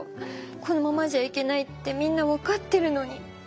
このままじゃいけないってみんな分かってるのに。